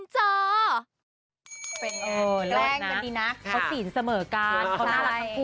เจาะแจ๊ะริมเจาะ